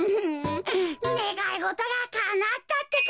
ねがいごとがかなったってか！